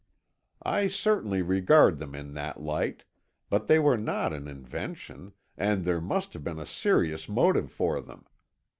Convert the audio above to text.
"I certainly regard them in that light, but they were not an invention, and there must have been a serious motive for them.